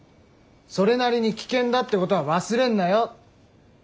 それなりに危険だってことは忘れんなよ。